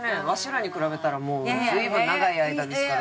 らに比べたらもう随分長い間ですから。